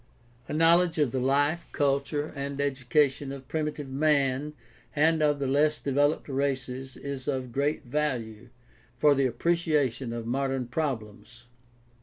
A knowledge of the life, culture, and education of primitive man and of the less developed races is of great value for the appreciation of modern problems.